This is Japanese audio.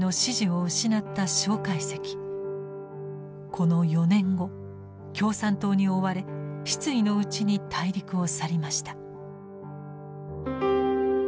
この４年後共産党に追われ失意のうちに大陸を去りました。